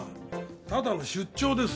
ただの出張です。